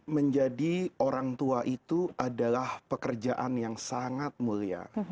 menjadi orang tua itu adalah pekerjaan yang sangat mulia